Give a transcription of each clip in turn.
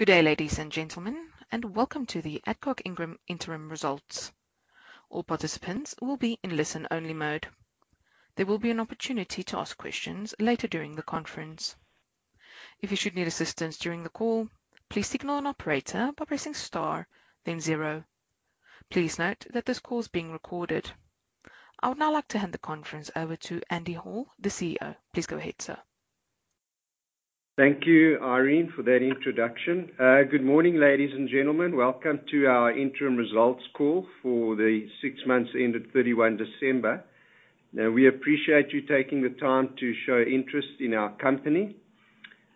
Good day, ladies and gentlemen. Welcome to the Adcock Ingram interim results. All participants will be in listen-only mode. There will be an opportunity to ask questions later during the conference. If you should need assistance during the call, please signal an operator by pressing star then zero. Please note that this call is being recorded. I would now like to hand the conference over to Andrew Hall, the CEO. Please go ahead, sir. Thank you, Irene, for that introduction. Good morning, ladies and gentlemen. Welcome to our interim results call for the six months ended 31 December. We appreciate you taking the time to show interest in our company.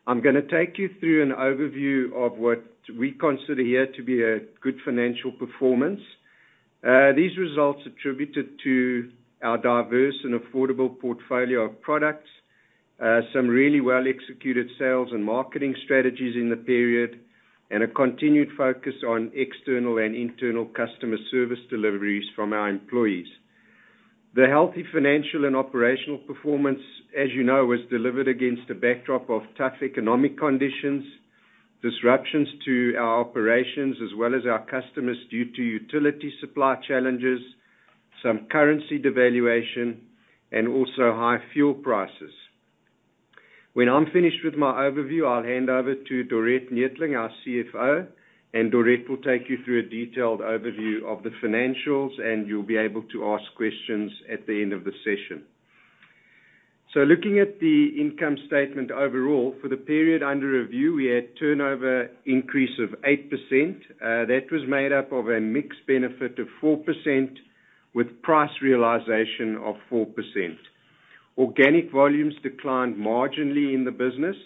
I'm gonna take you through an overview of what we consider here to be a good financial performance. These results attributed to our diverse and affordable portfolio of products, some really well-executed sales and marketing strategies in the period, and a continued focus on external and internal customer service deliveries from our employees. The healthy financial and operational performance, as you know, was delivered against a backdrop of tough economic conditions, disruptions to our operations, as well as our customers due to utility supply challenges, some currency devaluation, and also high fuel prices. When I'm finished with my overview, I'll hand over to Dorette Neethling, our CFO, and Dorette will take you through a detailed overview of the financials, and you'll be able to ask questions at the end of the session. Looking at the income statement overall, for the period under review, we had turnover increase of 8%. That was made up of a mix benefit of 4% with price realization of 4%. Organic volumes declined marginally in the business.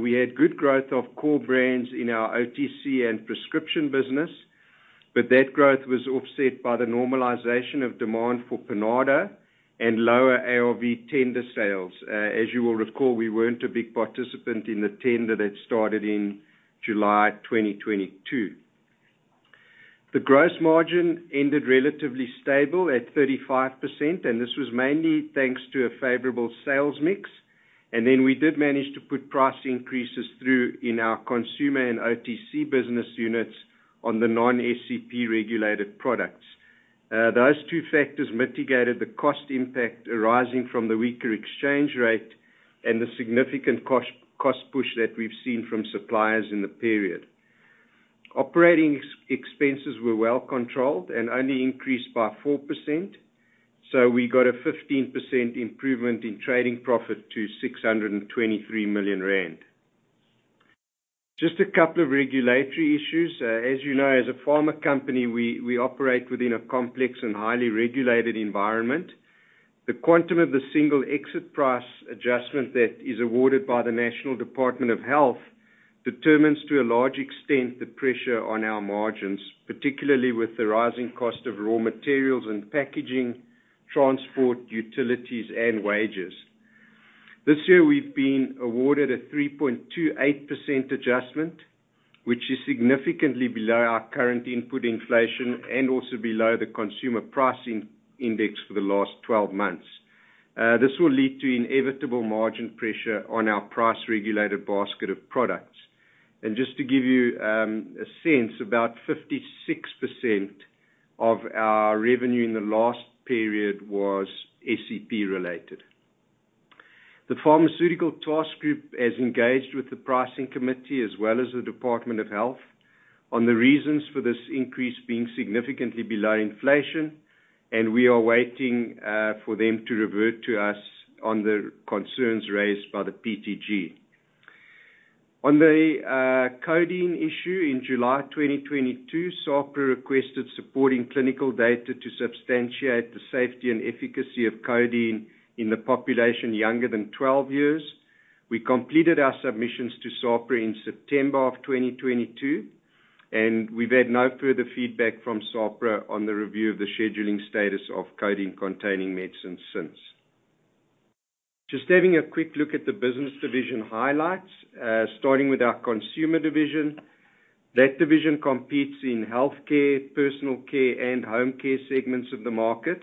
We had good growth of core brands in our OTC and prescription business, but that growth was offset by the normalization of demand for Panado and lower ARV tender sales. As you will recall, we weren't a big participant in the tender that started in July 2022. The gross margin ended relatively stable at 35%, and this was mainly thanks to a favorable sales mix. We did manage to put price increases through in our consumer and OTC business units on the non-SEP regulated products. Those two factors mitigated the cost impact arising from the weaker exchange rate and the significant cost push that we've seen from suppliers in the period. Operating expenses were well controlled and only increased by 4%. We got a 15% improvement in trading profit to 623 million rand. Just a couple of regulatory issues. As you know, as a pharma company, we operate within a complex and highly regulated environment. The quantum of the Single Exit Price adjustment that is awarded by the National Department of Health determines, to a large extent, the pressure on our margins, particularly with the rising cost of raw materials and packaging, transport, utilities and wages. This year we've been awarded a 3.28% adjustment, which is significantly below our current input inflation and also below the Consumer Pricing Index for the last 12 months. This will lead to inevitable margin pressure on our price-regulated basket of products. Just to give you a sense, about 56% of our revenue in the last period was SEP related. The Pharmaceutical Task Group has engaged with the Pricing Committee, as well as the Department of Health, on the reasons for this increase being significantly below inflation. We are waiting for them to revert to us on the concerns raised by the PTG. On the codeine issue in July 2022, SAHPRA requested supporting clinical data to substantiate the safety and efficacy of codeine in the population younger than 12 years. We completed our submissions to SAHPRA in September of 2022. We've had no further feedback from SAHPRA on the review of the scheduling status of codeine-containing medicines since. Just having a quick look at the business division highlights, starting with our consumer division. That division competes in healthcare, personal care, and home care segments of the market,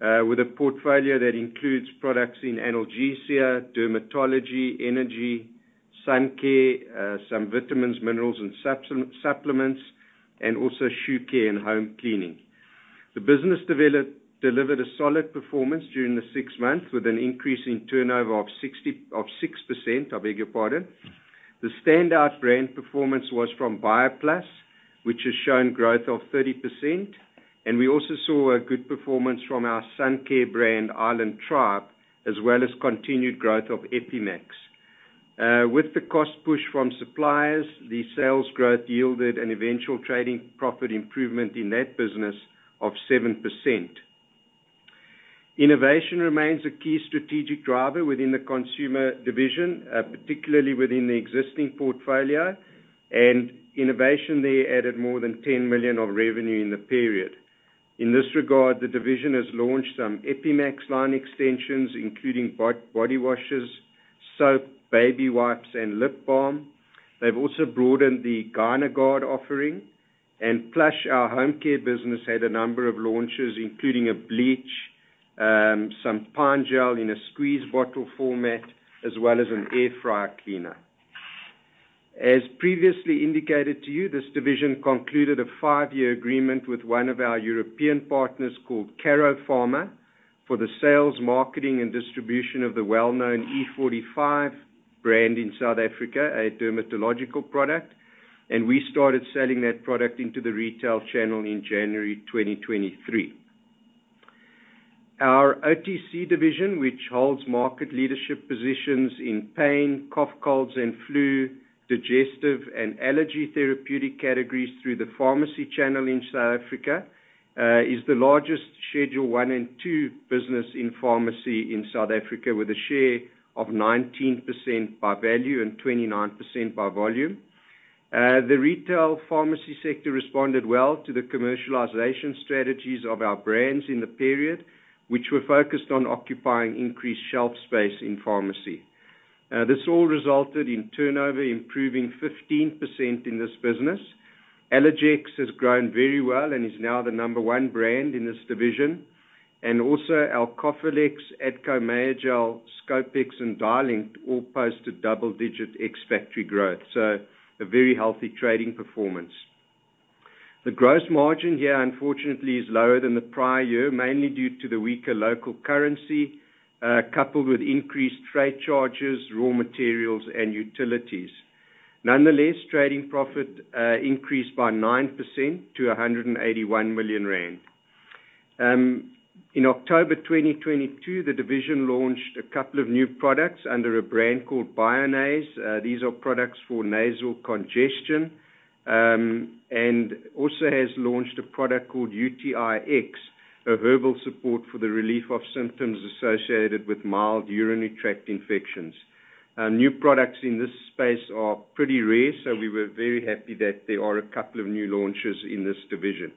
with a portfolio that includes products in analgesia, dermatology, energy, sun care, some vitamins, minerals and supplements and also shoe care and home cleaning. The business delivered a solid performance during the six months, with an increase in turnover of 6%, I beg your pardon. The standout brand performance was from BioPlus, which has shown growth of 30%, and we also saw a good performance from our sun care brand, Island Tribe, as well as continued growth of Epi-max. With the cost push from suppliers, the sales growth yielded an eventual trading profit improvement in that business of 7%. Innovation remains a key strategic driver within the consumer division, particularly within the existing portfolio and innovation there added more than 10 million of revenue in the period. In this regard, the division has launched some Epi-max line extensions, including body washes, soap, baby wipes and lip balm. They've also broadened the GynaGuard offering. Plush, our home care business, had a number of launches, including a bleach, some pine gel in a squeeze bottle format, as well as an air fryer cleaner. As previously indicated to you, this division concluded a five-year agreement with one of our European partners called Karo Pharma for the sales, marketing, and distribution of the well-known E45 brand in South Africa, a dermatological product. We started selling that product into the retail channel in January 2023. Our OTC division, which holds market leadership positions in pain, cough, colds and flu, digestive and allergy therapeutic categories through the pharmacy channel in South Africa, is the largest Schedule One and Two business in pharmacy in South Africa, with a share of 19% by value and 29% by volume. The retail pharmacy sector responded well to the commercialization strategies of our brands in the period, which were focused on occupying increased shelf space in pharmacy. This all resulted in turnover improving 15% in this business. Allergex has grown very well and is now the number one brand in this division. Also our Cophylac, Adco Mayogel, Scopex, and Dialin all posted double-digit ex-factory growth. A very healthy trading performance. The gross margin here, unfortunately, is lower than the prior year, mainly due to the weaker local currency, coupled with increased trade charges, raw materials and utilities. Nonetheless, trading profit increased by 9% to 181 million rand. In October 2022, the division launched a couple of new products under a brand called Bionase. These are products for nasal congestion. Also has launched a product called UTI-X, a herbal support for the relief of symptoms associated with mild urinary tract infections. New products in this space are pretty rare, we were very happy that there are a couple of new launches in this division.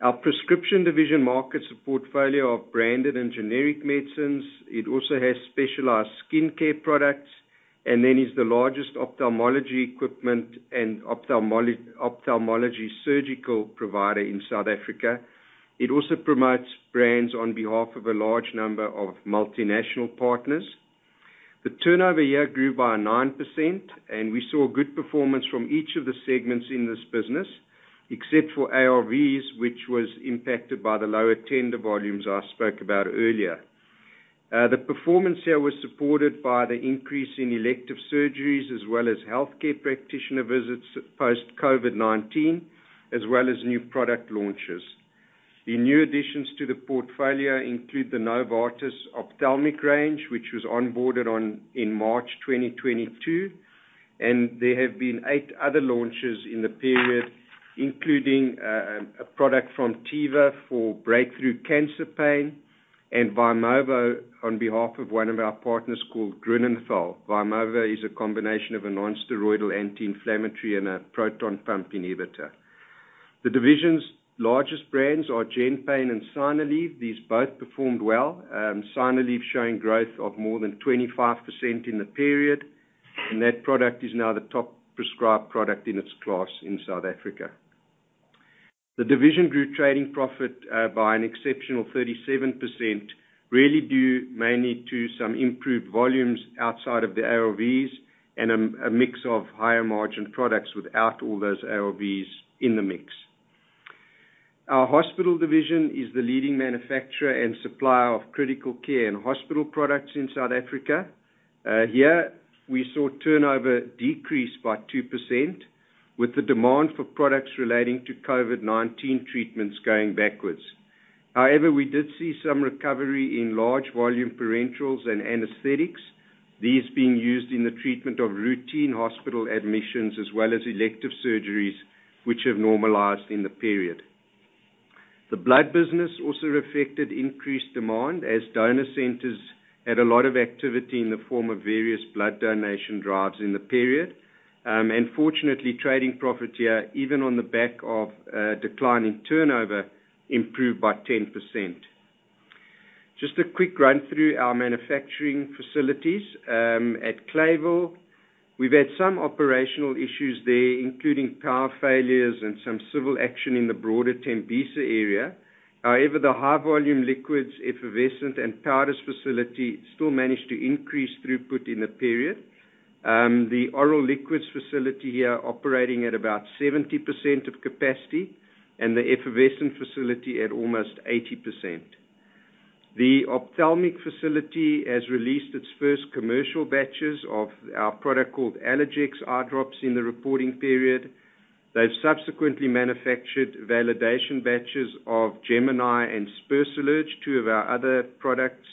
Our prescription division markets a portfolio of branded and generic medicines. It also has specialized skincare products and is the largest ophthalmology equipment and ophthalmology surgical provider in South Africa. It also promotes brands on behalf of a large number of multinational partners. The turnover here grew by 9%, we saw good performance from each of the segments in this business, except for ARVs, which was impacted by the lower tender volumes I spoke about earlier. The performance here was supported by the increase in elective surgeries as well as healthcare practitioner visits post COVID-19, as well as new product launches. The new additions to the portfolio include the Novartis ophthalmic range, which was onboarded in March 2022, there have been eight other launches in the period, including a product from Teva for breakthrough cancer pain and Vimovo on behalf of one of our partners called Grünenthal. Vimovo is a combination of a non-steroidal anti-inflammatory and a proton pump inhibitor. The division's largest brands are Gen-Payne and Synaleve. These both performed well, Synaleve showing growth of more than 25% in the period. That product is now the top prescribed product in its class in South Africa. The division grew trading profit by an exceptional 37%, really due mainly to some improved volumes outside of the ARVs and a mix of higher margin products without all those ARVs in the mix. Our hospital division is the leading manufacturer and supplier of critical care and hospital products in South Africa. Here we saw turnover decrease by 2% with the demand for products relating to COVID-19 treatments going backwards. However, we did see some recovery in Large Volume Parenterals and anesthetics, these being used in the treatment of routine hospital admissions as well as elective surgeries which have normalized in the period. The blood business also reflected increased demand as donor centers had a lot of activity in the form of various blood donation drives in the period. Fortunately, trading profit here, even on the back of declining turnover, improved by 10%. Just a quick run through our manufacturing facilities, at Clayville, we've had some operational issues there, including power failures and some civil action in the broader Tembisa area. The high volume liquids, effervescent and powders facility still managed to increase throughput in the period. The oral liquids facility here operating at about 70% of capacity and the effervescent facility at almost 80%. The ophthalmic facility has released its first commercial batches of our product called Allergex Eye Drops in the reporting period. They've subsequently manufactured validation batches of Gemini and Spersallerg, two of our other products,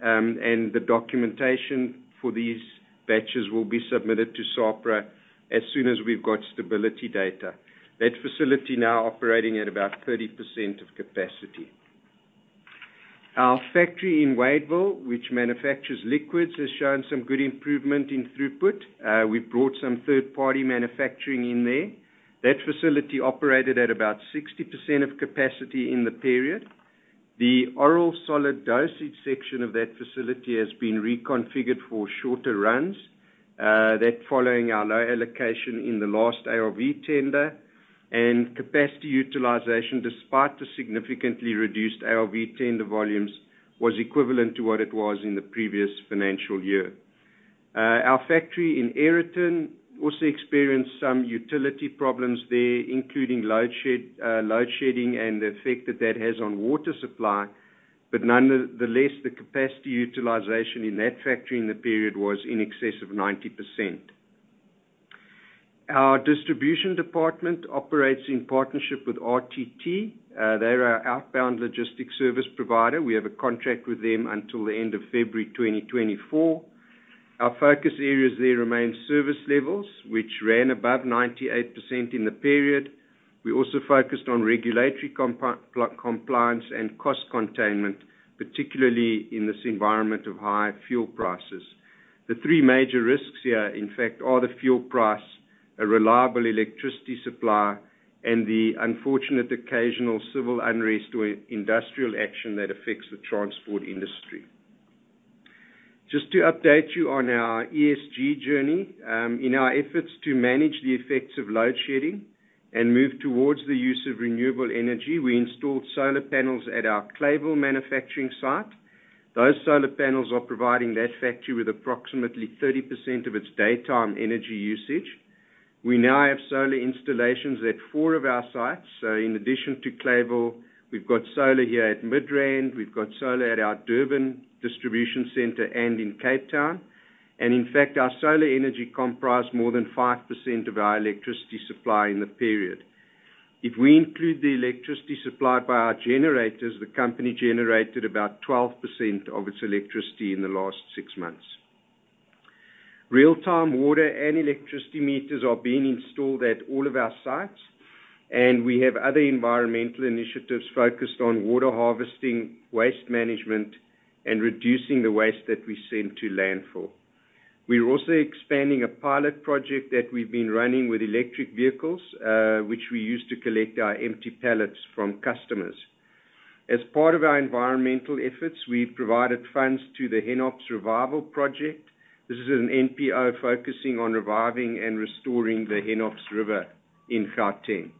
and the documentation for these batches will be submitted to SAHPRA as soon as we've got stability data. That facility now operating at about 30% of capacity. Our factory in Wadeville, which manufactures liquids, has shown some good improvement in throughput. We brought some third-party manufacturing in there. That facility operated at about 60% of capacity in the period. The Oral Solid Dosage section of that facility has been reconfigured for shorter runs. That following our low allocation in the last ARV tender and capacity utilization, despite the significantly reduced ARV tender volumes, was equivalent to what it was in the previous financial year. Our factory in Aeroton also experienced some utility problems there, including load shedding and the effect that that has on water supply. Nonetheless, the capacity utilization in that factory in the period was in excess of 90%. Our distribution department operates in partnership with RTT. They're our outbound logistics service provider. We have a contract with them until the end of February 2024. Our focus areas there remain service levels, which ran above 98% in the period. We also focused on regulatory compliance and cost containment, particularly in this environment of high fuel prices. The three major risks here, in fact, are the fuel price, a reliable electricity supply, and the unfortunate occasional civil unrest or industrial action that affects the transport industry. Just to update you on our ESG journey. In our efforts to manage the effects of load shedding and move towards the use of renewable energy, we installed solar panels at our Clayville manufacturing site. Those solar panels are providing that factory with approximately 30% of its daytime energy usage. We now have solar installations at four of our sites. In addition to Clayville, we've got solar here at Midrand, we've got solar at our Durban distribution center and in Cape Town. In fact, our solar energy comprised more than 5% of our electricity supply in the period. If we include the electricity supplied by our generators, the company generated about 12% of its electricity in the last six months. Real-time water and electricity meters are being installed at all of our sites, and we have other environmental initiatives focused on water harvesting, waste management, and reducing the waste that we send to landfill. We are also expanding a pilot project that we've been running with electric vehicles, which we use to collect our empty pallets from customers. As part of our environmental efforts, we've provided funds to the Hennops Revival Project. This is an NPO focusing on reviving and restoring the Hennops River in Gauteng.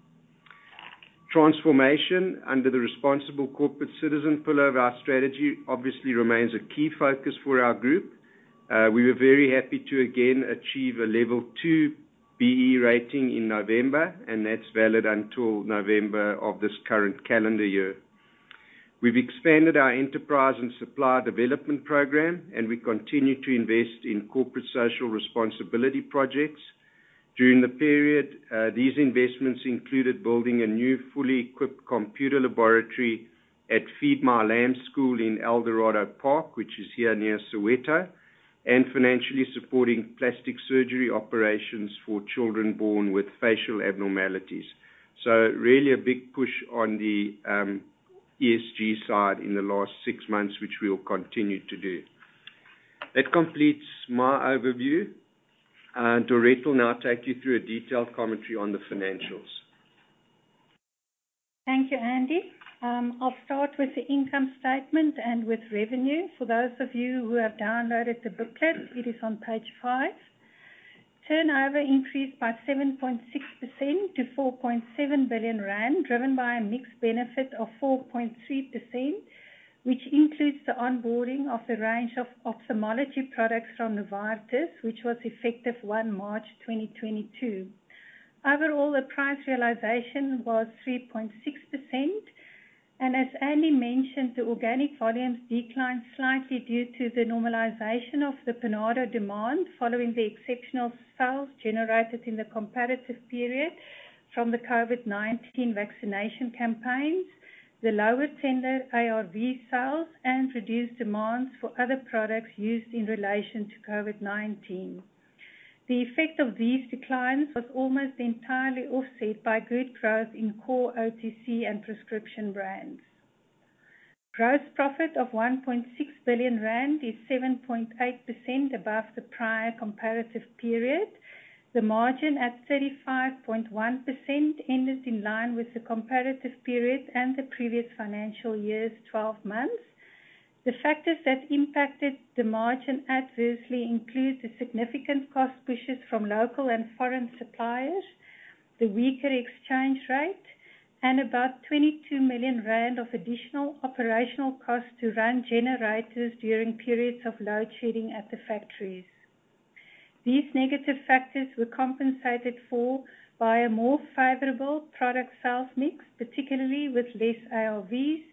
Transformation under the responsible corporate citizen pillar of our strategy obviously remains a key focus for our group. We were very happy to again achieve a level two B-BBEE rating in November, and that's valid until November of this current calendar year. We've expanded our enterprise and supply development program, and we continue to invest in corporate social responsibility projects. During the period, these investments included building a new, fully equipped computer laboratory at Feed My Lamb School in Eldorado Park, which is here near Soweto, and financially supporting plastic surgery operations for children born with facial abnormalities. Really a big push on the ESG side in the last six months, which we will continue to do. That completes my overview. Dorette will now take you through a detailed commentary on the financials. Thank you, Andrew. I'll start with the income statement and with revenue. For those of you who have downloaded the booklet, it is on page five. Turnover increased by 7.6% to 4.7 billion rand, driven by a mixed benefit of 4.3%, which includes the onboarding of the range of ophthalmology products from Novartis, which was effective 1 March 2022. Overall, the price realization was 3.6%. As Andrew mentioned, the organic volumes declined slightly due to the normalization of the Panado demand following the exceptional sales generated in the comparative period from the COVID-19 vaccination campaigns, the lower tender ARV sales, and reduced demands for other products used in relation to COVID-19. The effect of these declines was almost entirely offset by good growth in core OTC and prescription brands. Gross profit of 1.6 billion rand is 7.8% above the prior comparative period. The margin at 35.1% ended in line with the comparative period and the previous financial year's 12 months. The factors that impacted the margin adversely include the significant cost pushes from local and foreign suppliers, the weaker exchange rate, and about 22 million rand of additional operational costs to run generators during periods of load shedding at the factories. These negative factors were compensated for by a more favorable product sales mix, particularly with less ARVs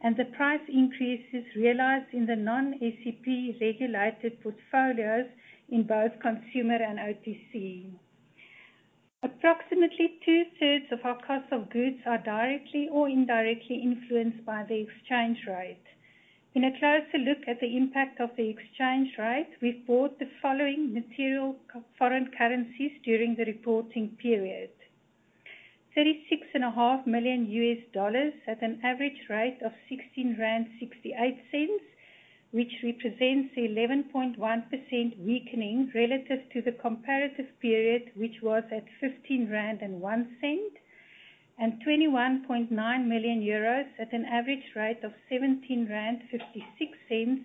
and the price increases realized in the non-SEP regulated portfolios in both consumer and OTC. Approximately two-thirds of our cost of goods are directly or indirectly influenced by the exchange rate. In a closer look at the impact of the exchange rate, we've bought the following material foreign currencies during the reporting period. Thirty-six and a half million US dollars at an average rate of 16.68 rand, which represents 11.1% weakening relative to the comparative period, which was at 15.01 rand. 21.9 million euros at an average rate of 17.56 rand,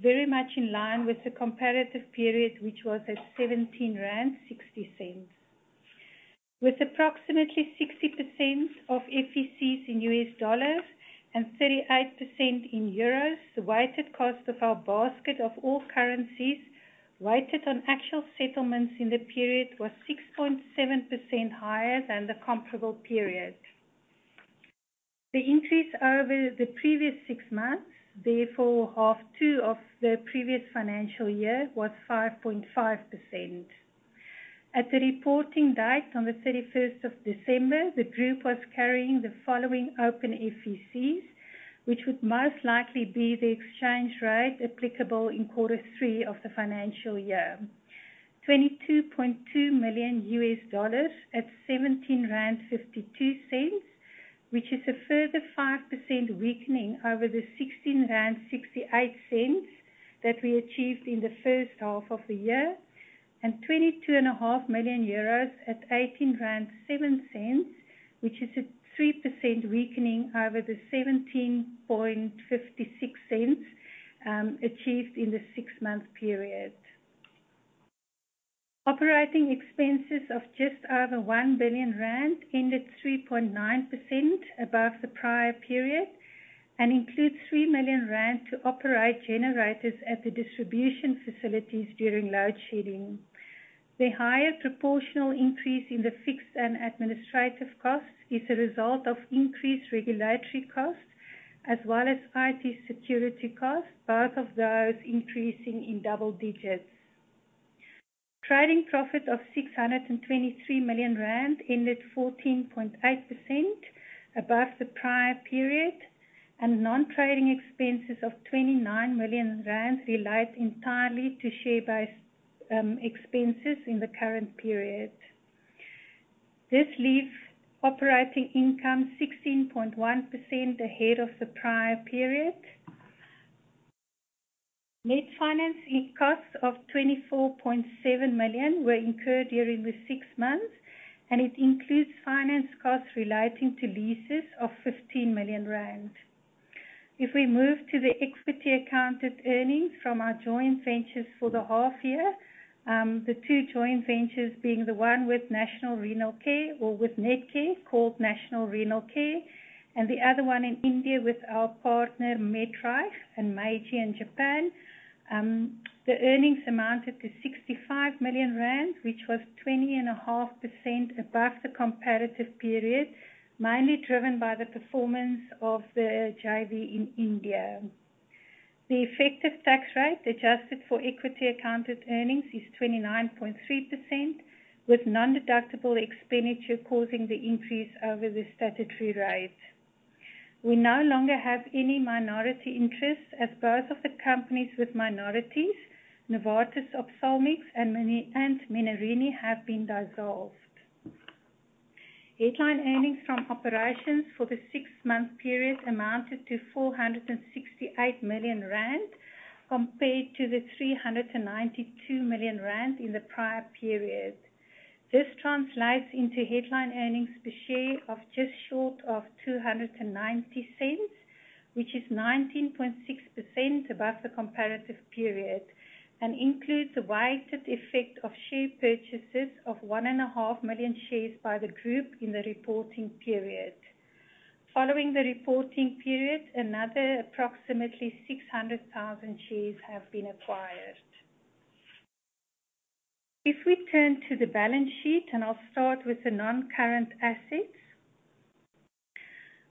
very much in line with the comparative period, which was at 17.60 rand. With approximately 60% of FECs in US dollars and 38% in euros, the weighted cost of our basket of all currencies weighted on actual settlements in the period was 6.7% higher than the comparable period. The increase over the previous six months, therefore half two of the previous financial year, was 5.5%. At the reporting date on the 31st of December, the group was carrying the following open FECs, which would most likely be the exchange rate applicable in Q3 of the financial year. $22.2 million at 17.52 rand, which is a further 5% weakening over the 16.68 rand that we achieved in the first half of the year, and 22.5 million euros at 18.07 rand, which is a 3% weakening over the 17.56 achieved in the six month period. Operating expenses of just over 1 billion rand ended 3.9% above the prior period and includes 3 million rand to operate generators at the distribution facilities during load shedding. The higher proportional increase in the fixed and administrative costs is a result of increased regulatory costs as well as IT security costs, both of those increasing in double digits. Trading profit of 623 million rand ended 14.8% above the prior period. Non-trading expenses of 29 million rand relate entirely to share-based expenses in the current period. This leaves operating income 16.1% ahead of the prior period. Net financing costs of 24.7 million were incurred during the six months, and it includes finance costs relating to leases of 15 million rand. If we move to the equity accounted earnings from our joint ventures for the half year, the two joint ventures being the one with National Renal Care or with Netcare, called National Renal Care, and the other one in India with our partner Medtronic and Meiji in Japan. The earnings amounted to 65 million rand, which was 20.5% above the comparative period, mainly driven by the performance of the JV in India. The effective tax rate adjusted for equity accounted earnings is 29.3%, with nondeductible expenditure causing the increase over the statutory rate. We no longer have any minority interests, as both of the companies with minorities, Novartis Ophthalmics and Menarini, have been dissolved. Headline earnings from operations for the six-month period amounted to 468 million rand, compared to 392 million rand in the prior period. This translates into headline earnings per share of just short of 2.90, which is 19.6% above the comparative period and includes the weighted effect of share purchases of 1.5 million shares by the group in the reporting period. Following the reporting period, another approximately 600,000 shares have been acquired. If we turn to the balance sheet, I'll start with the non-current assets.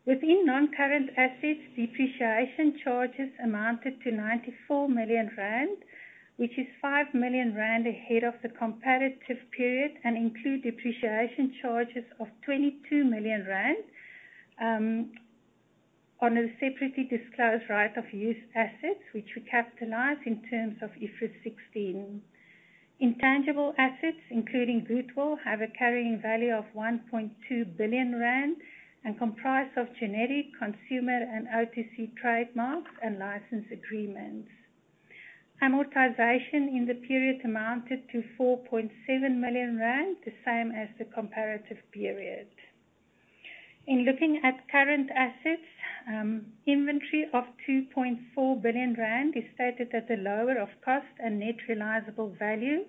Within non-current assets, depreciation charges amounted to 94 million rand, which is 5 million rand ahead of the comparative period and include depreciation charges of 22 million rand on the separately disclosed right of use assets which we capitalize in terms of IFRS 16. Intangible assets, including goodwill, have a carrying value of 1.2 billion rand and comprise of genetic, consumer, and OTC trademarks and license agreements. Amortization in the period amounted to 4.7 million rand, the same as the comparative period. In looking at current assets, inventory of 2.4 billion rand is stated at the lower of cost and net realizable value.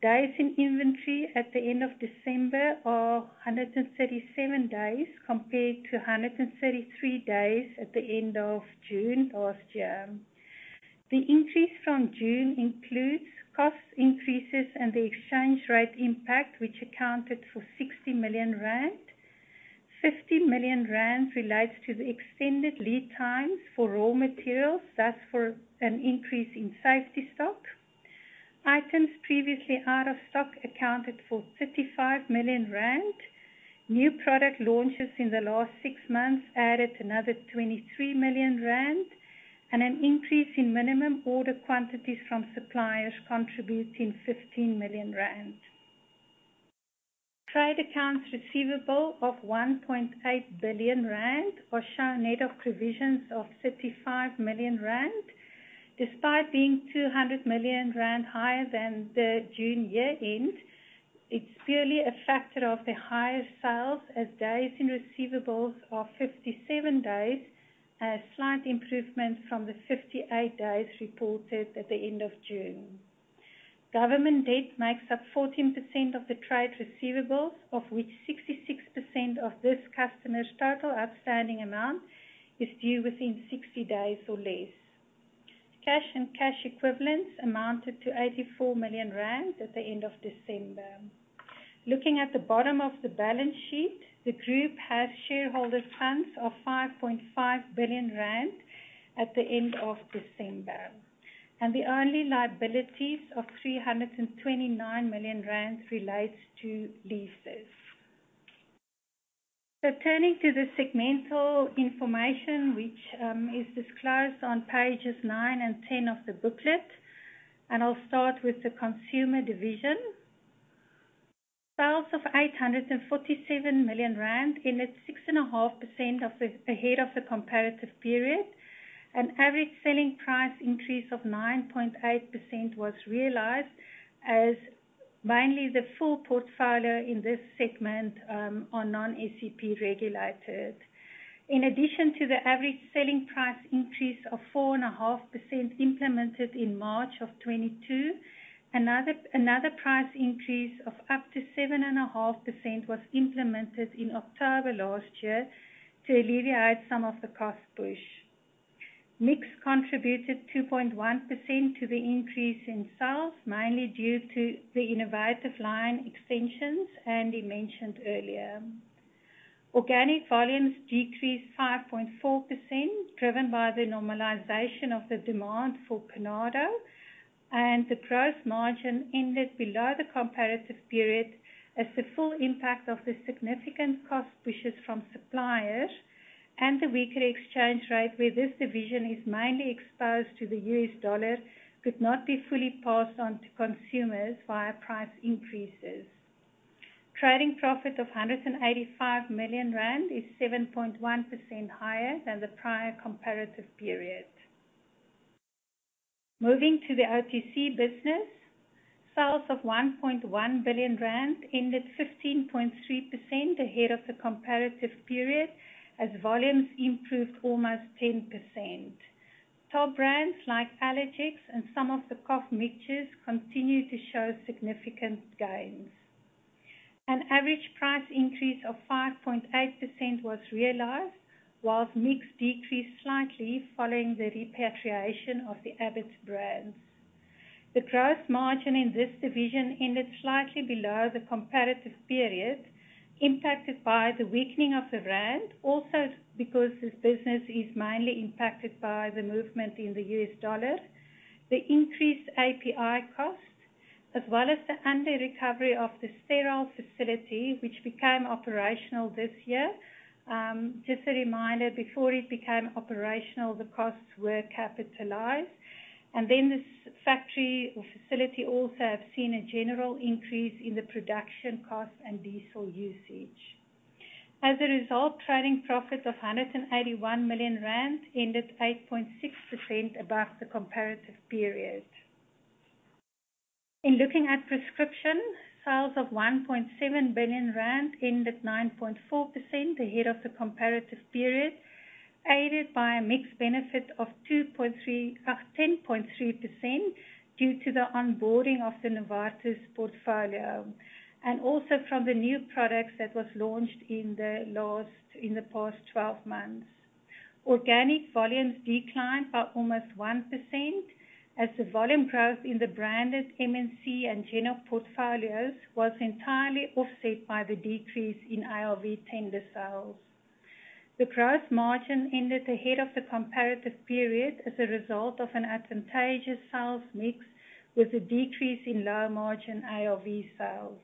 Days in inventory at the end of December are 137 days, compared to 133 days at the end of June last year. The increase from June includes cost increases and the exchange rate impact, which accounted for 60 million rand. 50 million rand relates to the extended lead times for raw materials, thus for an increase in safety stock. Items previously out of stock accounted for 35 million rand. New product launches in the last six months added another 23 million rand and an increase in minimum order quantities from suppliers contributing 15 million rand. Trade accounts receivable of 1.8 billion rand or show net of provisions of 35 million rand. Despite being 200 million rand higher than the June year-end, it's purely a factor of the higher sales as days in receivables are 57 days, a slight improvement from the 58 days reported at the end of June. Government debt makes up 14% of the trade receivables, of which 66% of this customer's total outstanding amount is due within 60 days or less. Cash and cash equivalents amounted to 84 million rand at the end of December. Looking at the bottom of the balance sheet, the group has shareholders funds of 5.5 billion rand at the end of December, and the only liabilities of 329 million rand relates to leases. Turning to the segmental information which is disclosed on pages nine and 10 of the booklet, and I'll start with the consumer division. Sales of 847 million rand ended 6.5% ahead of the comparative period. An average selling price increase of 9.8% was realized as mainly the full portfolio in this segment are non-SEP regulated. In addition to the average selling price increase of 4.5% implemented in March 2022, another price increase of up to 7.5% was implemented in October last year to alleviate some of the cost push. Mix contributed 2.1% to the increase in sales, mainly due to the innovative line extensions Andy mentioned earlier. Organic volumes decreased 5.4%, driven by the normalization of the demand for Panado, the gross margin ended below the comparative period as the full impact of the significant cost pushes from suppliers and the weaker exchange rate where this division is mainly exposed to the US dollar could not be fully passed on to consumers via price increases. Trading profit of 185 million rand is 7.1% higher than the prior comparative period. Moving to the OTC business, sales of 1.1 billion rand ended 15.3% ahead of the comparative period as volumes improved almost 10%. Top brands like Allergex and some of the cough mixtures continue to show significant gains. An average price increase of 5.8% was realized, whilst mix decreased slightly following the repatriation of the Abbott brands. The gross margin in this division ended slightly below the comparative period, impacted by the weakening of the rand. Also, because this business is mainly impacted by the movement in the US dollar, the increased API cost as well as the under recovery of the sterile facility which became operational this year. Just a reminder, before it became operational, the costs were capitalized, and then this factory or facility also have seen a general increase in the production costs and diesel usage. As a result, trading profit of 181 million rand ended 8.6% above the comparative period. In looking at prescription, sales of 1.7 billion rand ended 9.4% ahead of the comparative period, aided by a mix benefit of 10.3% due to the onboarding of the Novartis portfolio and also from the new products that was launched in the past 12 months. Organic volumes declined by almost 1%, as the volume growth in the branded MNC and general portfolios was entirely offset by the decrease in ARV tender sales. The gross margin ended ahead of the comparative period as a result of an advantageous sales mix with a decrease in low-margin ARV sales.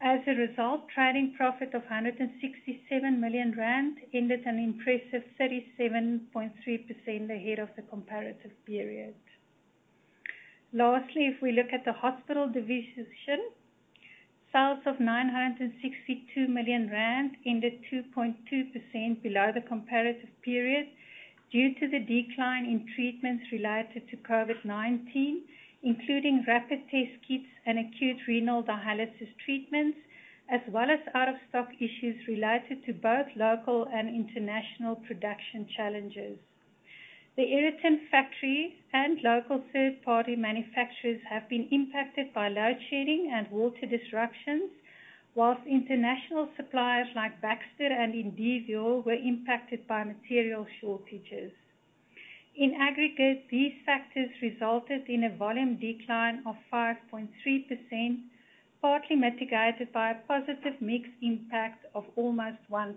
As a result, trading profit of 167 million rand ended an impressive 37.3% ahead of the comparative period. Lastly, if we look at the hospital division, sales of 962 million rand ended 2.2% below the comparative period due to the decline in treatments related to COVID-19, including rapid test kits and acute renal dialysis treatments, as well as out-of-stock issues related to both local and international production challenges. The Aeroton factory and local third-party manufacturers have been impacted by load shedding and water disruptions, while international suppliers like Baxter and Indivior were impacted by material shortages. In aggregate, these factors resulted in a volume decline of 5.3%, partly mitigated by a positive mix impact of almost 1%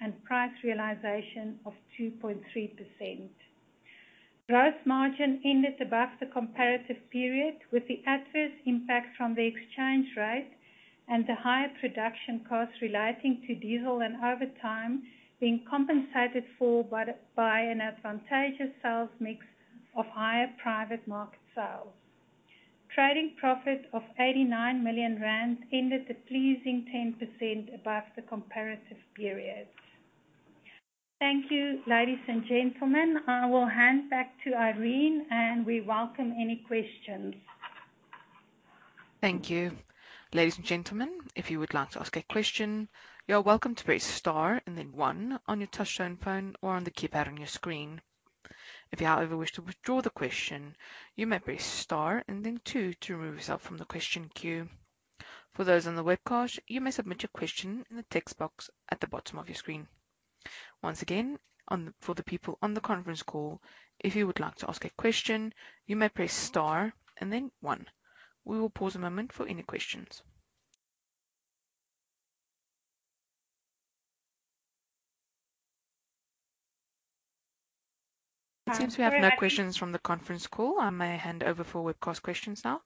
and price realization of 2.3%. Gross margin ended above the comparative period with the adverse impact from the exchange rate and the higher production costs relating to diesel and overtime being compensated for by an advantageous sales mix of higher private market sales. Trading profit of 89 million rand ended a pleasing 10% above the comparative period. Thank you, ladies and gentlemen. I will hand back to Irene, and we welcome any questions. Thank you. Ladies and gentlemen, if you would like to ask a question, you are welcome to press star and then one on your touchtone phone or on the keypad on your screen. If you, however, wish to withdraw the question, you may press star and then two to remove yourself from the question queue. For those on the webcast, you may submit your question in the text box at the bottom of your screen. For the people on the conference call, if you would like to ask a question, you may press star and then one. We will pause a moment for any questions. It seems we have no questions from the conference call. I may hand over for webcast questions now.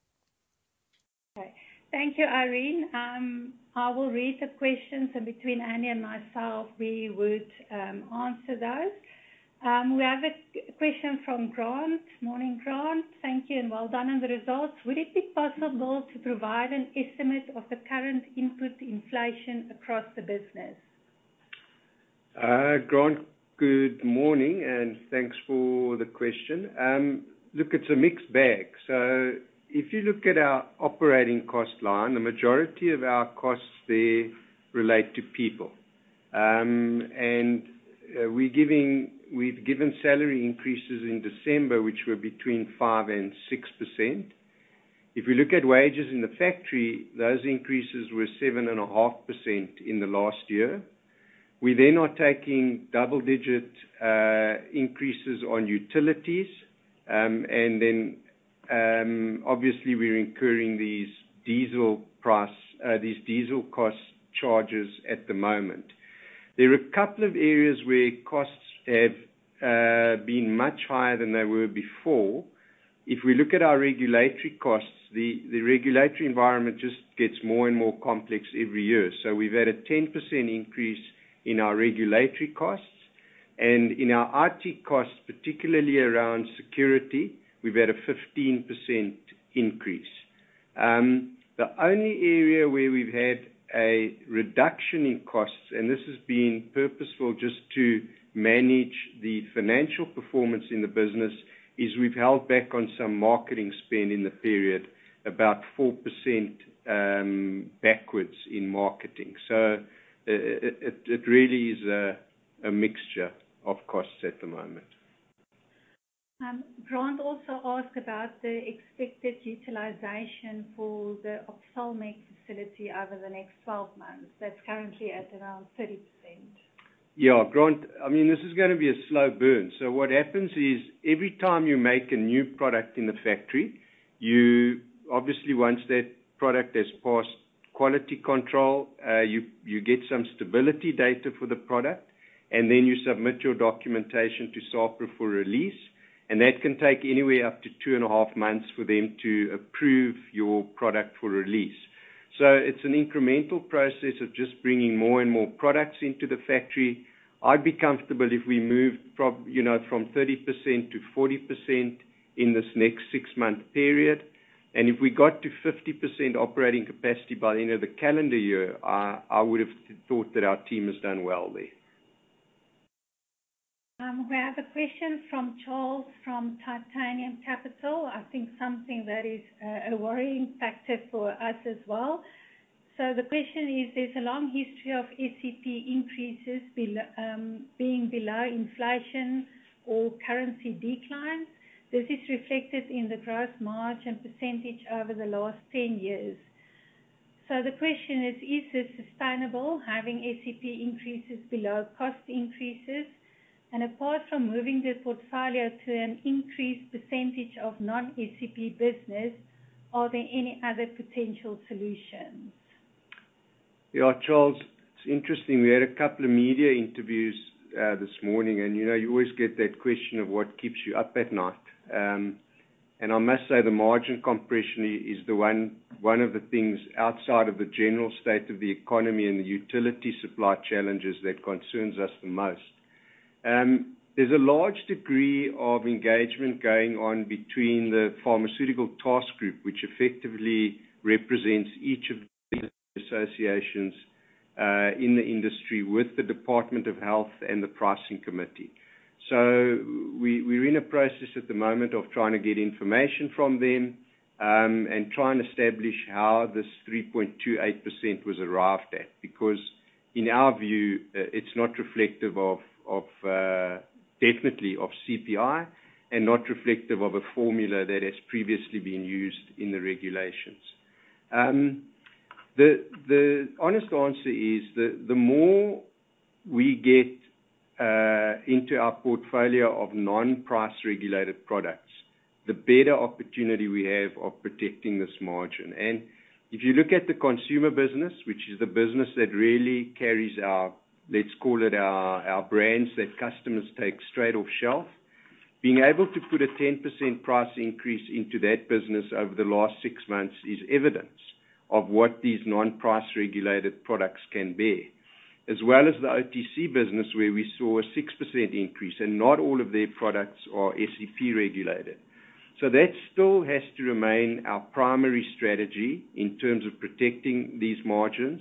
Okay. Thank you, Irene. I will read the questions, and between Andy and myself, we would answer those. We have a question from Grant. Morning, Grant. Thank you and well done on the results. Would it be possible to provide an estimate of the current input inflation across the business? Grant, good morning, and thanks for the question. Look, it's a mixed bag. If you look at our operating cost line, the majority of our costs there relate to people. We've given salary increases in December, which were between 5%-6%. If you look at wages in the factory, those increases were 7.5% in the last year. We then are taking double-digit increases on utilities, obviously, we're incurring these diesel price, these diesel cost charges at the moment. There are a couple of areas where costs have been much higher than they were before. If we look at our regulatory costs, the regulatory environment just gets more and more complex every year. We've had a 10% increase in our regulatory costs and in our IT costs, particularly around security, we've had a 15% increase. The only area where we've had a reduction in costs, and this has been purposeful just to manage the financial performance in the business, is we've held back on some marketing spend in the period about 4% backwards in marketing. It really is a mixture of costs at the moment. Grant also asked about the expected utilization for the Ophthalmic facility over the next 12 months. That's currently at around 30%. Yeah. Grant, I mean, this is gonna be a slow burn. What happens is every time you make a new product in the factory, Obviously, once that product has passed quality control, you get some stability data for the product, and then you submit your documentation to SAHPRA for release, and that can take anywhere up to two and a half months for them to approve your product for release. It's an incremental process of just bringing more and more products into the factory. I'd be comfortable if we moved you know, from 30%-40% in this next six-month period. If we got to 50% operating capacity by the end of the calendar year, I would have thought that our team has done well there. We have a question from Charles from Titanium Capital I think something that is a worrying factor for us as well. The question is: There's a long history of SEP increases being below inflation or currency declines. This is reflected in the gross margin % over the last 10 years. The question is: Is it sustainable having SEP increases below cost increases? Apart from moving the portfolio to an increased % of non-SEP business, are there any other potential solutions? Yeah. Charles, it's interesting, we had a couple of media interviews, this morning, you know, you always get that question of what keeps you up at night. I must say the margin compression is one of the things outside of the general state of the economy and the utility supply challenges that concerns us the most. There's a large degree of engagement going on between the Pharmaceutical Task Group, which effectively represents each of the associations, in the industry with the Department of Health and the Pricing Committee. We're in a process at the moment of trying to get information from them, and trying to establish how this 3.28% was arrived at because in our view, it's not reflective of definitely of CPI and not reflective of a formula that has previously been used in the regulations. The honest answer is the more we get into our portfolio of non-price regulated products, the better opportunity we have of protecting this margin. If you look at the consumer business, which is the business that really carries our, let's call it our brands that customers take straight off shelf, being able to put a 10% price increase into that business over the last six months is evidence of what these non-price regulated products can bear, as well as the OTC business, where we saw a 6% increase, and not all of their products are SEP regulated. That still has to remain our primary strategy in terms of protecting these margins.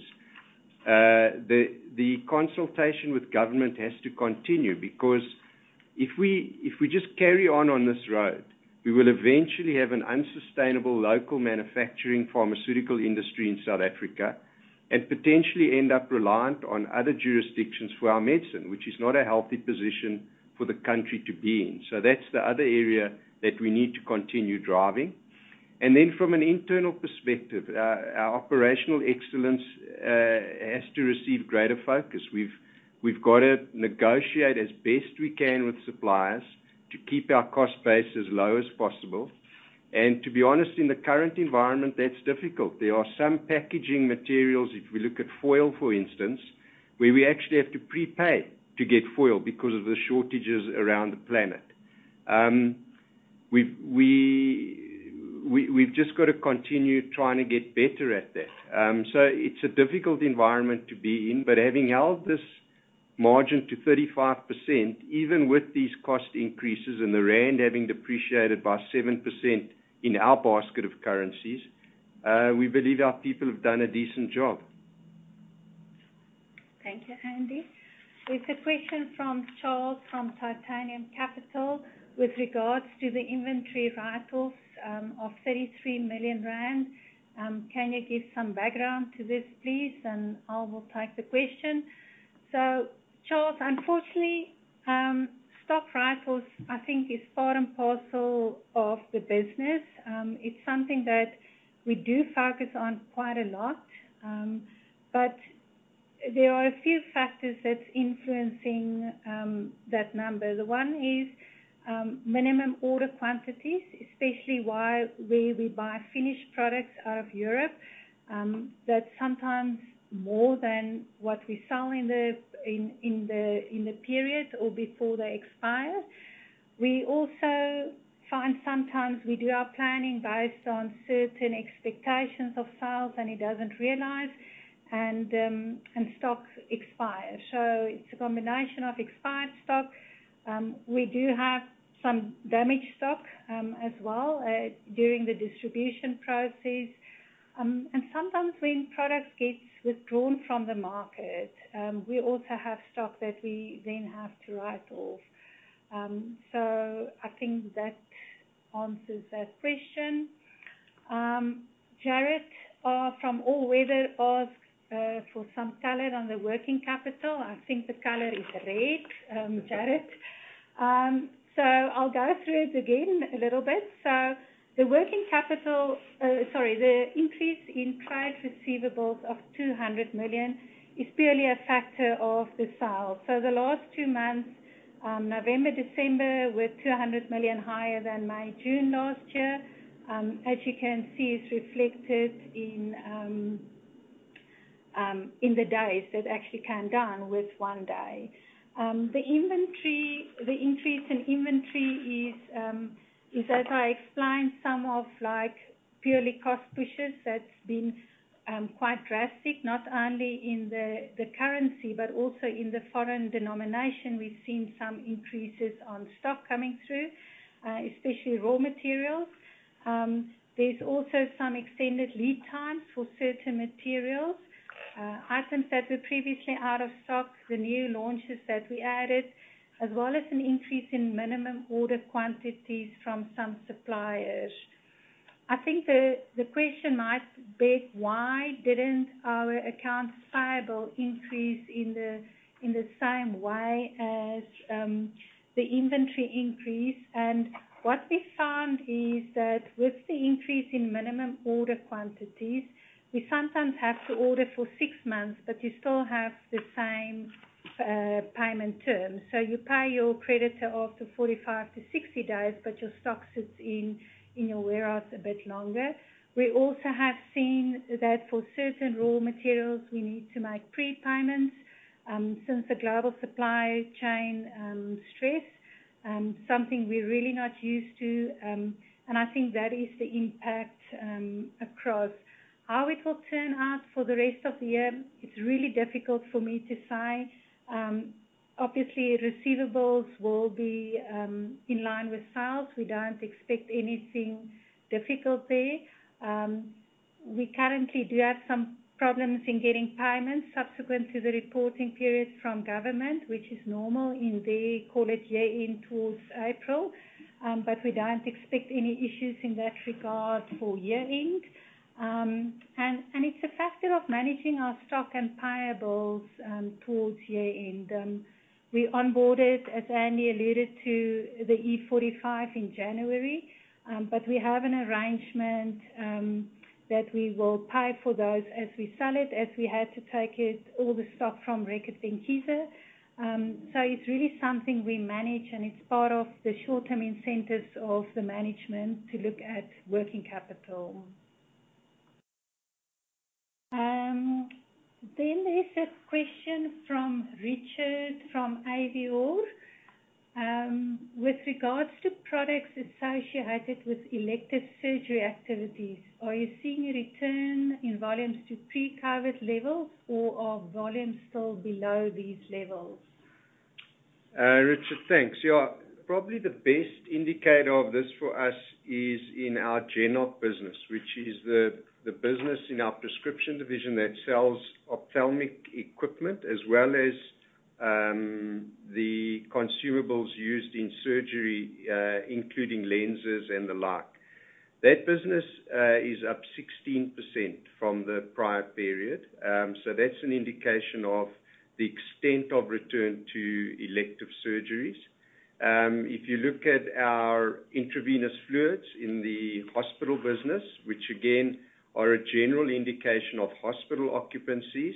The consultation with government has to continue because if we, if we just carry on on this road, we will eventually have an unsustainable local manufacturing pharmaceutical industry in South Africa and potentially end up reliant on other jurisdictions for our medicine, which is not a healthy position for the country to be in. That's the other area that we need to continue driving. From an internal perspective, our operational excellence has to receive greater focus. We've got to negotiate as best we can with suppliers to keep our cost base as low as possible. And to be honest, in the current environment, that's difficult. There are some packaging materials, if we look at foil, for instance, where we actually have to prepay to get foil because of the shortages around the planet. We've just got to continue trying to get better at that. It's a difficult environment to be in. Having held this margin to 35%, even with these cost increases and the rand having depreciated by 7% in our basket of currencies, we believe our people have done a decent job. Thank you, Andy. We have a question from Charles from Titanium Capital with regards to the inventory write-offs of 33 million rand. Can you give some background to this, please? I will take the question. Charles, unfortunately, stock write-offs, I think, is part and parcel of the business. It's something that we do focus on quite a lot, but there are a few factors that's influencing that number. The one is minimum order quantities, especially where we buy finished products out of Europe, that sometimes more than what we sell in the period or before they expire. We also find sometimes we do our planning based on certain expectations of sales, and it doesn't realize, and stocks expire. It's a combination of expired stock. We do have some damaged stock as well during the distribution process. Sometimes when products gets withdrawn from the market, we also have stock that we then have to write off. I think that answers that question. Jared Hoover from All Weather Capital asked for some color on the working capital. I think the color is red, Jared. I'll go through it again a little bit. The working capital. Sorry, the increase in trade receivables of 200 million is purely a factor of the sales. The last two months, November, December, were 200 million higher than May, June last year. As you can see, it's reflected in the days that actually came down with one day. The inventory, the increase in inventory is, as I explained, some of like purely cost pushes. That's been quite drastic, not only in the currency, but also in the foreign denomination. We've seen some increases on stock coming through, especially raw materials. There's also some extended lead times for certain materials, items that were previously out of stock, the new launches that we added, as well as an increase in minimum order quantities from some suppliers. I think the question might beg, why didn't our accounts payable increase in the same way as the inventory increase? What we found is that with the increase in minimum order quantities, we sometimes have to order for six months, but you still have the same payment terms. You pay your creditor after 45 days-60 days, but your stock sits in your warehouse a bit longer. We also have seen that for certain raw materials, we need to make prepayments, since the global supply chain stress, something we're really not used to. I think that is the impact across how it will turn out for the rest of the year. It's really difficult for me to say. Obviously receivables will be in line with sales. We don't expect anything difficult there. We currently do have some problems in getting payments subsequent to the reporting period from government, which is normal in the college year end towards April. We don't expect any issues in that regard for year end. It's a factor of managing our stock and payables towards year end. We onboarded, as Andy Hall alluded to, the E45 in January. We have an arrangement that we will pay for those as we sell it, as we had to take it, all the stock from Reckitt Benckiser. It's really something we manage, and it's part of the short-term incentives of the management to look at working capital. There's a question from Richard from Avior Capital Markets. With regards to products associated with elective surgery activities, are you seeing a return in volumes to pre-COVID-19 levels or are volumes still below these levels? Richard, thanks. Yeah. Probably the best indicator of this for us is in our general business, which is the business in our prescription division that sells ophthalmic equipment as well as the consumables used in surgery, including lenses and the like. That business is up 16% from the prior period. That's an indication of the extent of return to elective surgeries. If you look at our intravenous fluids in the hospital business, which again are a general indication of hospital occupancies,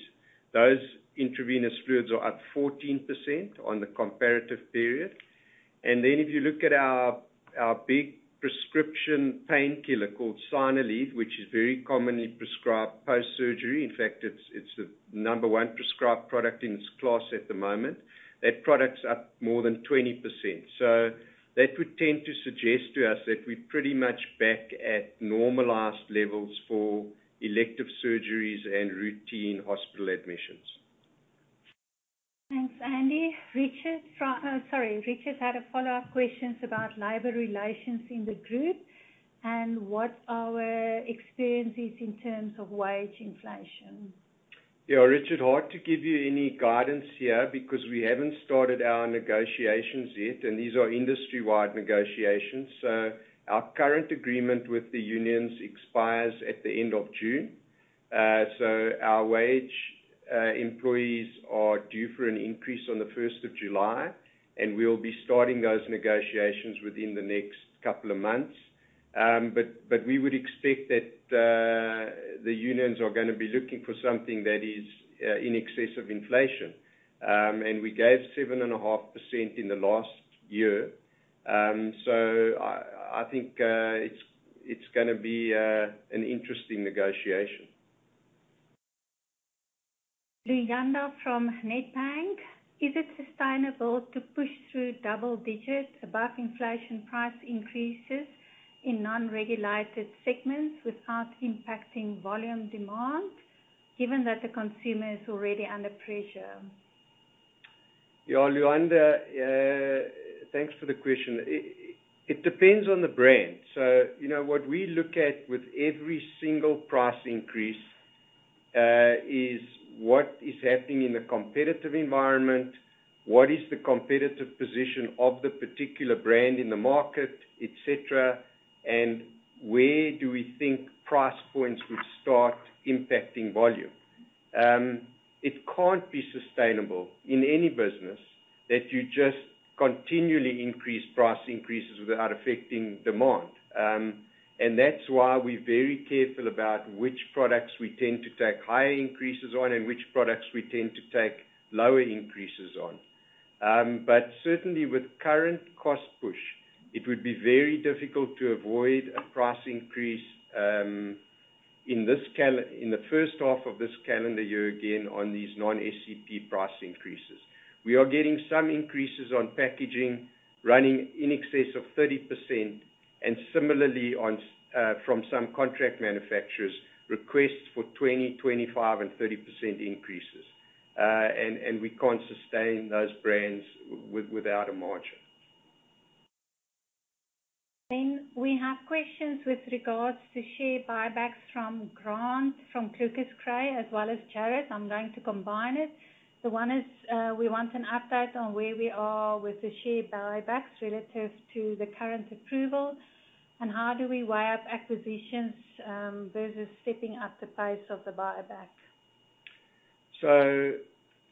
those intravenous fluids are up 14% on the comparative period. If you look at our big prescription painkiller called Synaleve, which is very commonly prescribed post-surgery, in fact, it's the number one prescribed product in its class at the moment. That product's up more than 20%. That would tend to suggest to us that we're pretty much back at normalized levels for elective surgeries and routine hospital admissions. Thanks, Andy. Richard had a follow-up questions about labor relations in the group and what our experience is in terms of wage inflation. Yeah, Richard, hard to give you any guidance here because we haven't started our negotiations yet, and these are industry-wide negotiations. Our current agreement with the unions expires at the end of June. Our wage employees are due for an increase on the 1st of July, and we'll be starting those negotiations within the next couple of months. But we would expect that the unions are gonna be looking for something that is in excess of inflation. We gave 7.5% in the last year. I think it's gonna be an interesting negotiation. Luyanda from Nedbank. Is it sustainable to push through double digits above inflation price increases in non-regulated segments without impacting volume demand, given that the consumer is already under pressure? Luyanda, thanks for the question. It depends on the brand. You know, what we look at with every single price increase is what is happening in the competitive environment, what is the competitive position of the particular brand in the market, et cetera, and where do we think price points would start impacting volume. It can't be sustainable in any business that you just continually increase price increases without affecting demand. That's why we're very careful about which products we tend to take higher increases on and which products we tend to take lower increases on. Certainly with current cost push, it would be very difficult to avoid a price increase in the first half of this calendar year again, on these non-SEP price increases. We are getting some increases on packaging running in excess of 30%, and similarly on, from some contract manufacturers, requests for 20%, 25%, and 30% increases. We can't sustain those brands without a margin. We have questions with regards to share buybacks from Grant from Cratos Capital, as well as Jared. I'm going to combine it. One is, we want an update on where we are with the share buybacks relative to the current approval, and how do we weigh up acquisitions versus stepping up the pace of the buyback.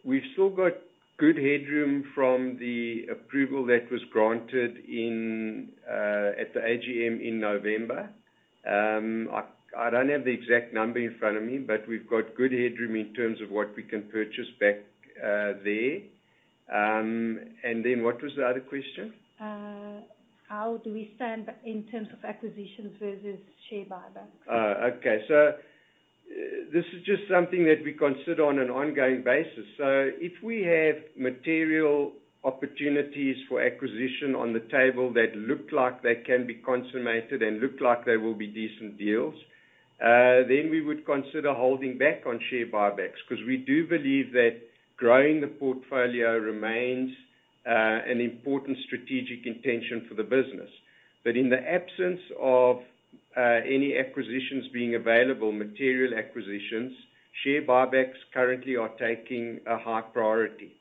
We've still got good headroom from the approval that was granted in at the AGM in November. I don't have the exact number in front of me, but we've got good headroom in terms of what we can purchase back there. What was the other question? How do we stand in terms of acquisitions versus share buybacks? Okay. This is just something that we consider on an ongoing basis. If we have material opportunities for acquisition on the table that look like they can be consummated and look like they will be decent deals, then we would consider holding back on share buybacks. 'Cause we do believe that growing the portfolio remains an important strategic intention for the business. In the absence of any acquisitions being available, material acquisitions, share buybacks currently are taking a high priority.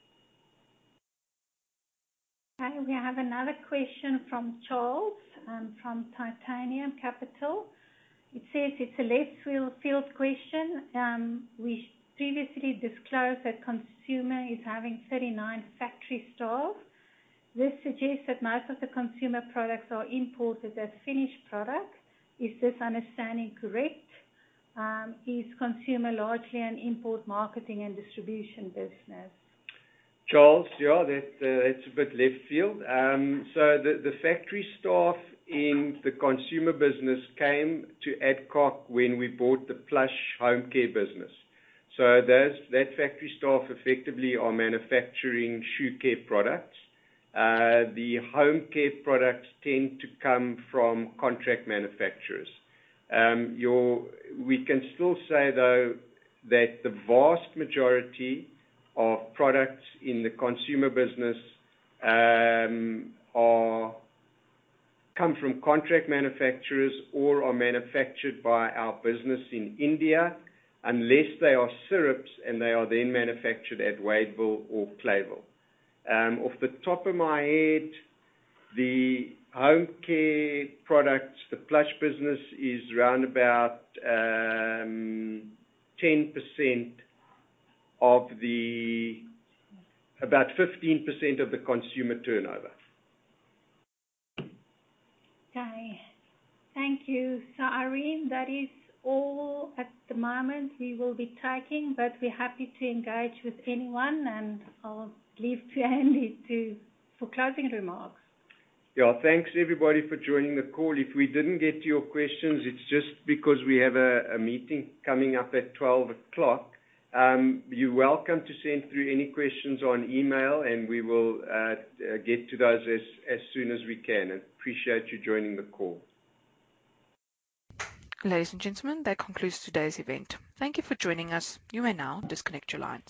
Okay. We have another question from Charles from Titanium Capital. It says it's a left field question. We previously disclosed that consumer is having 39 factory staff. This suggests that most of the consumer products are imported as finished product. Is this understanding correct? Is consumer largely an import marketing and distribution business? Charles, yeah, that's a bit left field. The factory staff in the consumer business came to Adcock when we bought the Plush Home Care business. Those, that factory staff effectively are manufacturing shoe care products. The home care products tend to come from contract manufacturers. We can still say, though, that the vast majority of products in the consumer business come from contract manufacturers or are manufactured by our business in India, unless they are syrups, and they are then manufactured at Wadeville or Clayville. Off the top of my head, the home care products, the Plush business is around about 10% of the... About 15% of the consumer turnover. Okay. Thank you. Irene, that is all at the moment we will be taking, but we're happy to engage with anyone. I'll leave to Andy for closing remarks. Yeah. Thanks everybody for joining the call. If we didn't get to your questions, it's just because we have a meeting coming up at 12:00 P.M. You're welcome to send through any questions on email, and we will get to those as soon as we can. I appreciate you joining the call. Ladies and gentlemen, that concludes today's event. Thank you for joining us. You may now disconnect your line.